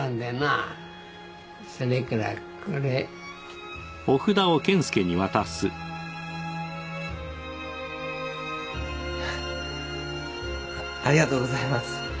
ありがとうございます。